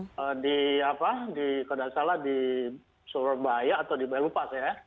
pada saat klb di apa di kalau tidak salah di surabaya atau di baya bupas ya